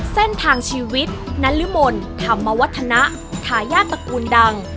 เส้นทางชีวิตนรมนธรรมวัฒนะทายาทตระกูลดัง